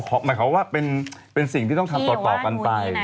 หมายความว่าเป็นสิ่งที่ต้องทำต่อกันไป